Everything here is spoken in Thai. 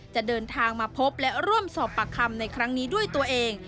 จะเดินทางมาพบและร่วมสอบปากคำในครั้งนี้ด้วยตัวเอง